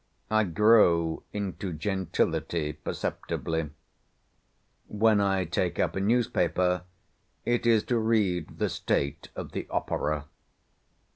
I grow into gentility perceptibly. When I take up a newspaper, it is to read the state of the opera.